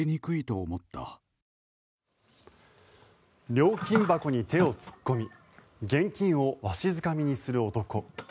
料金箱に手を突っ込み現金をわしづかみにする男。